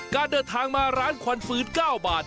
การเดินทางมาร้านควันฟื้น๙บาท